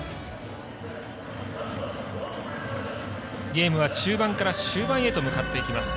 ゲームは中盤から終盤へと向かっていきます。